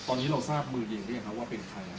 ตอนนี้เราทราบเนี่ยว่าเป็นใคร